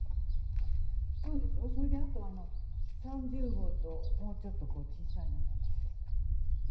そうでしょそれであと３０号ともうちょっと小さいのも。